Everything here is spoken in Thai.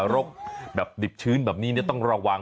รกแบบดิบชื้นแบบนี้ต้องระวัง